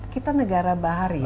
kita negara bahari